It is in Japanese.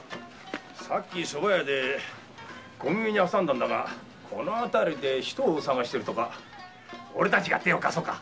ソバ屋で小耳にはさんだんだがこの辺りで人を捜しているとかおれたちが手を貸そうか？